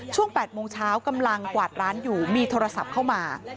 ๘โมงเช้ากำลังกวาดร้านอยู่มีโทรศัพท์เข้ามา